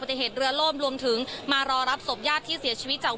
พูดสิทธิ์ข่าวธรรมดาทีวีรายงานสดจากโรงพยาบาลพระนครศรีอยุธยาครับ